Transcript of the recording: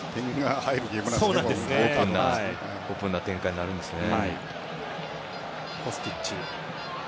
オープンな展開になるんですね。